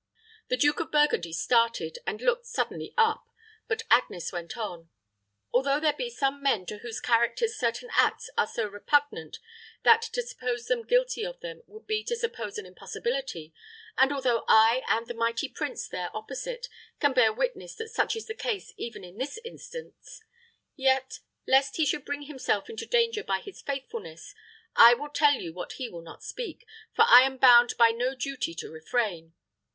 The Duke of Burgundy started, and looked suddenly up; but Agnes went on. "Although there be some men to whose characters certain acts are so repugnant that to suppose them guilty of them would be to suppose an impossibility, and though I and the mighty prince there opposite can bear witness that such is the case even in this instance, yet, lest he should bring himself into danger by his faithfulness, I will tell you what he will not speak, for I am bound by no duty to refrain.